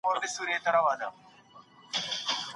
هر ورځ یو نوی کار زده کړئ.